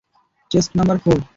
Chest number four!